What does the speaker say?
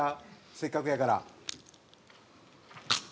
せっかくやから。